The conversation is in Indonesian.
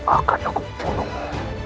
akan aku bunuhmu